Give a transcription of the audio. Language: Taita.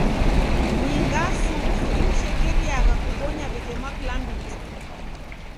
Ni ngasuki imshekeriagha kubonya w'eke mwaklambiti?